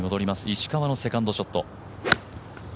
石川のセカンドショット。